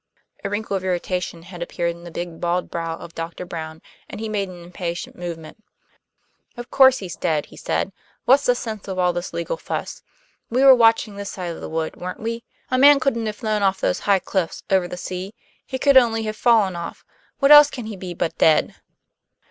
A wrinkle of irritation had appeared in the big bald brow of Doctor Brown; and he made an impatient movement. "Of course he's dead," he said. "What's the sense of all this legal fuss? We were watching this side of the wood, weren't we? A man couldn't have flown off those high cliffs over the sea; he could only have fallen off. What else can he be but dead?"